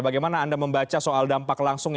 bagaimana anda membaca soal dampak langsung